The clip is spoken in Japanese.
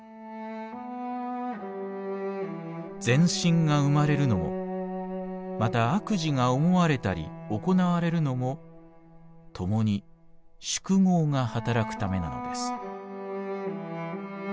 「善心が生まれるのもまた悪事が思われたり行われるのもともに『宿業』がはたらくためなのです」。